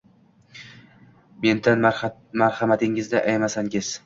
Mendan marhamatingizni ayamasangiz.